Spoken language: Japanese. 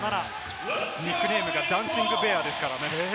ビッグネームがダンシングベアですからね。